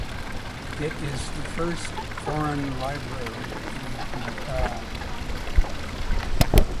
It is the first foreign library in Nepal.